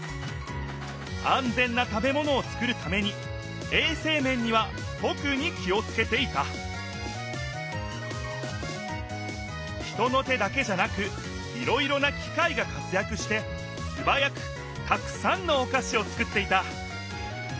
あんぜんな食べものをつくるためにえいせい面には特に気をつけていた人の手だけじゃなくいろいろな機械が活やくしてすばやくたくさんのおかしをつくっていた。